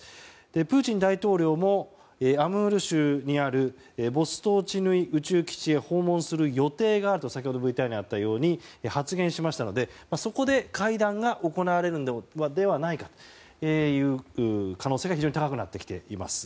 プーチン大統領もアムール州にあるボストーチヌイ宇宙基地へ訪問する予定があると先ほどＶＴＲにあったように発言しましたのでそこで会談が行われるのではないかという可能性が非常に高くなってきています。